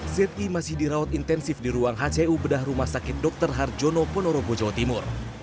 zi masih dirawat intensif di ruang hcu bedah rumah sakit dr harjono ponorogo jawa timur